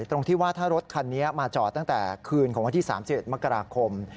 ตรงที่ว่าถ้ารถคันนี้มาจอดตั้งแต่คืนของวันที่๓๑มกราคม